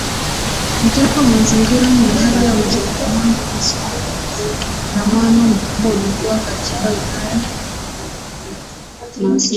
Uchafu wa mazingira na hali ya msongamano mkubwa ulikuwa katika Ulaya na Asia